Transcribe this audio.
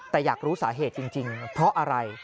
แต่อยากรู้สาเหตุจริงเพราะอะไร